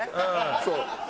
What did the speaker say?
そう。